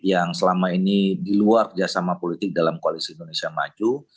yang selama ini diluar jasama politik dalam koalisi indonesia maju